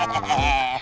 tidak ini anjingnya